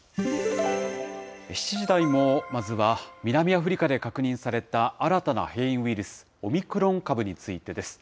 ７時台もまずは南アフリカで確認された新たな変異ウイルス、オミクロン株についてです。